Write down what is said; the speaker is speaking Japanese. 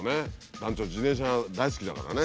団長自転車が大好きだからね。